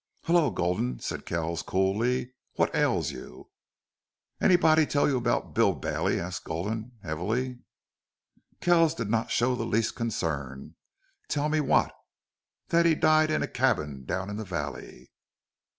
"Hello, Gulden!" said Kells, coolly. "What ails you?" "Anybody tell you about Bill Bailey?" asked Gulden, heavily. Kells did not show the least concern. "Tell me what?" "That he died in a cabin, down in the valley?"